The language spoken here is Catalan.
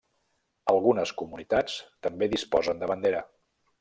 Algunes comunitats també disposen de bandera.